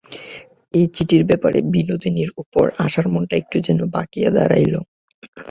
এই চিঠির ব্যাপারে বিনোদিনীর উপর আশার মনটা একটু যেন বাঁকিয়া দাঁড়াইল।